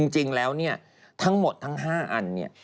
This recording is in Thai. จริงแล้วทั้งหมดทั้ง๕อัน